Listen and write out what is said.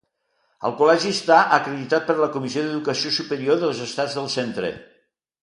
El Col·legi està acreditat per la Comissió d'Educació Superior dels Estats del Centre.